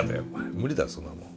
無理だよそんなもん。